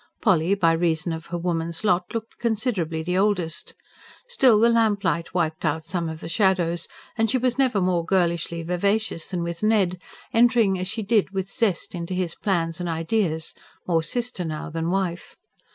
Polly, by reason of her woman's lot, looked considerably the oldest. Still, the lamplight wiped out some of the shadows, and she was never more girlishly vivacious than with Ned, entering as she did with zest into his plans and ideas more sister now than wife.